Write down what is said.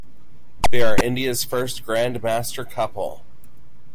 They are India's first Grandmaster couple.